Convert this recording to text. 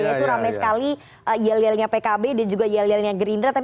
yaitu ramai sekali yel yelnya pkb dan juga yel yelnya gerindra